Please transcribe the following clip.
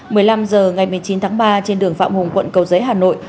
một mươi năm h ngày một mươi chín tháng ba trên đường phạm hùng quận cầu giấy hà nội